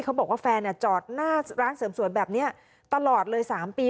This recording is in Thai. เขาบอกว่าแฟนจอดหน้าร้านเสริมสวยแบบนี้ตลอดเลย๓ปี